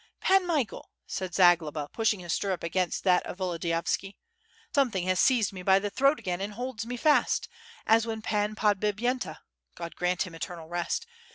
"Pan Michael!" said Zagloba, pushing his stirrup against that of Volodiyovski, "somethng has seized me by the throat again, and holds me fast, as when Pan Podbipyenta — God grant him eternal rest!